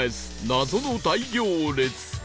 謎の大行列